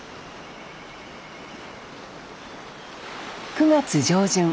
９月上旬。